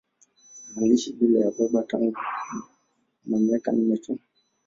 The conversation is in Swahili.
Aliishi bila ya baba tangu ana miaka minne tu.